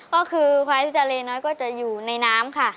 ก็คือควายที่จะเลน้อยก็จะอยู่ในน้ำค่ะ